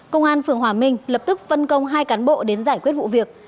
công an phường hòa minh lập tức phân công hai cán bộ đến giải quyết vụ việc